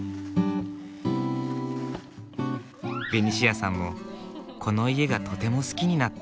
ベニシアさんもこの家がとても好きになった。